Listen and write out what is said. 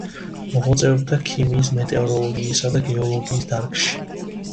მოღვაწეობდა ქიმიის, მეტეოროლოგიისა და გეოლოგიის დარგში.